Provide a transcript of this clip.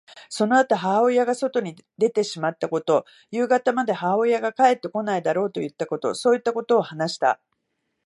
そのあと母親が外に出てしまったこと、夕方まで母親が帰ってこないだろうといったこと、そういったことを話した。